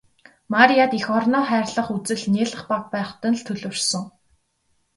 Марияд эх орноо хайрлах үзэл нялх бага байхад нь л төлөвшсөн.